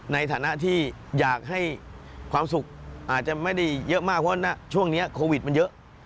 ในฐานะที่อยากให้ความสุขอาจจะไม่ได้เยอะมากเพราะว่าช่วงนี้โควิดมันเยอะ